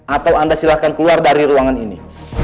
atau anda silahkan keluar dari ruangan ini